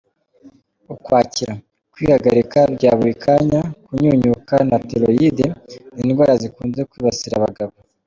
Ukwakira: Kwihagarika bya buri kanya, kunyunyuka na Thyroïde ni indwara zikunze kwibasira abagabo.